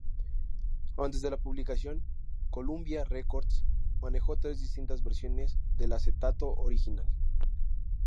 Antes de la publicación, Columbia Records manejó tres distintas versiones del acetato original.